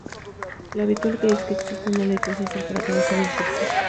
Lo habitual es que exista una ley procesal para cada jurisdicción.